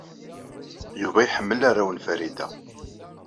Yuba yeḥmmel arraw n Farida.